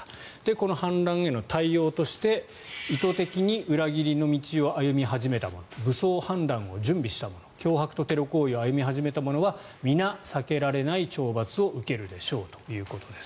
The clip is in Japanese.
この反乱への対応として意図的に裏切りの道を歩み始めた者武装反乱を準備した者脅迫とテロ行為を歩み始めた者は皆、避けられない懲罰を受けるでしょうということです。